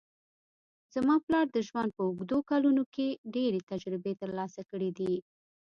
زما پلار د ژوند په اوږدو کلونو کې ډېرې تجربې ترلاسه کړې دي